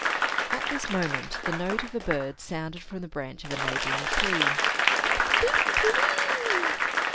At this moment, the note of a bird sounded from the branch of a neighboring tree. "Peep, peep, pe wee e!"